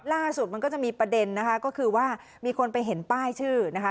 ล่าสุดมันก็จะมีประเด็นนะคะก็คือว่ามีคนไปเห็นป้ายชื่อนะคะ